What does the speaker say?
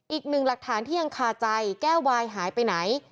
อีกหนึ่งหลักฐานที่ยังคาใจแก้ววายหายไปไหน